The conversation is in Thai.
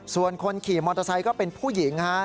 ส่วนคนขี่มอเตอร์ไซค์ก็เป็นผู้หญิงฮะ